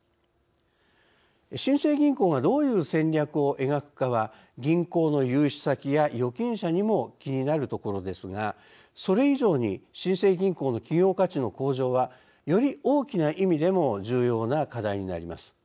新生銀行がどういう戦略を描くかは銀行の融資先や預金者にも気になるところですがそれ以上に新生銀行の企業価値の向上はより大きな意味でも重要な課題になります。